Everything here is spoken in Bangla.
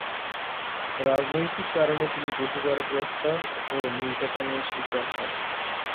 রাজনৈতিক কারণে তিনি বহুবার গ্রেফতার ও নির্যাতনের শিকার হন।